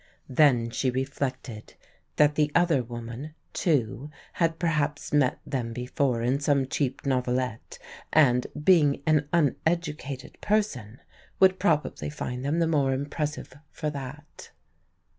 Then she reflected that the other woman, too, had perhaps met them before in some cheap novelette, and, being an uneducated person, would probably find them the more impressive for that.